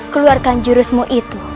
keluarkan jurusmu itu